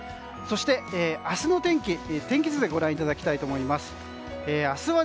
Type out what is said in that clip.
そして明日の天気、天気図でご覧いただきたいと思います。